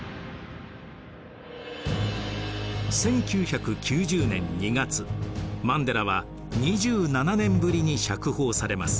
１９９０年２月マンデラは２７年ぶりに釈放されます。